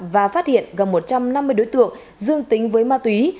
và phát hiện gần một trăm năm mươi đối tượng dương tính với ma túy